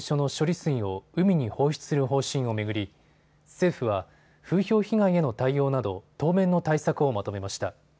水を海に放出する方針を巡り政府は風評被害への対応など、当面の対策をまとめました。